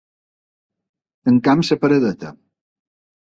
Tanquem la paradeta.